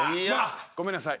ごめんなさい。